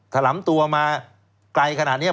ลำตัวมาไกลขนาดนี้